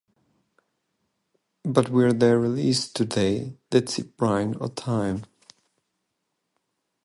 But were they released today they'd seem right on time.